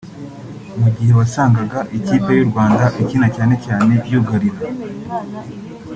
mu gihe wasangaga ikipe y’u Rwanda ikina cyane cyane yugarira